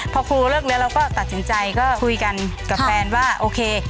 พอครูเลิกแล้วเราก็ตัดสินใจก็คุยกันกับแฟนว่าโอเค